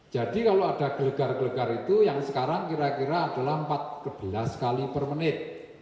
jadi kalau ada gelegar gelegar itu yang sekarang kira kira adalah empat belas kali per menit